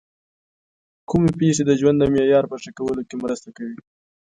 کومې پېښې د ژوند د معیار په ښه کولو کي مرسته کوي؟